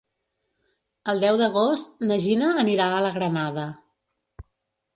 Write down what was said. El deu d'agost na Gina anirà a la Granada.